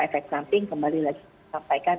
efek samping kembali lagi disampaikan